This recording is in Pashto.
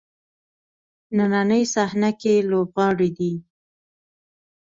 نننۍ صحنه کې لوبغاړی دی.